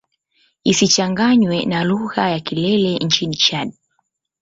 Isichanganywe na lugha ya Kilele nchini Chad.